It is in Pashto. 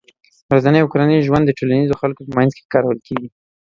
ورځني او کورني ژوند کې د ټولنيزو خلکو په منځ کې کارول کېږي